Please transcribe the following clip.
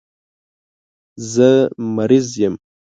زه مریض یم